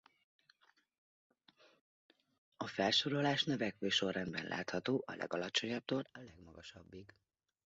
A felsorolás növekvő sorrendben látható a legalacsonyabbtól a legmagasabbig.